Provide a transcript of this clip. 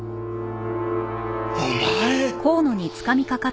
お前！